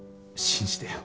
信じてよ。